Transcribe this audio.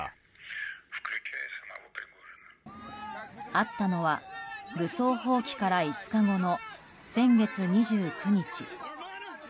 会ったのは、武装蜂起から５日後の先月２９日。